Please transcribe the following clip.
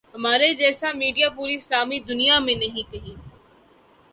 ہمارے جیسا میڈیا پوری اسلامی دنیا میں کہیں نہیں۔